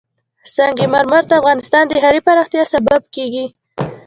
سنگ مرمر د افغانستان د ښاري پراختیا سبب کېږي.